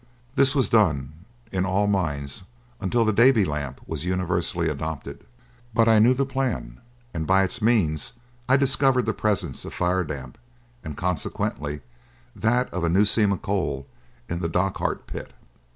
This was done in all mines until the Davy lamp was universally adopted. But I knew the plan, and by its means I discovered the presence of firedamp and consequently that of a new seam of coal in the Dochart pit."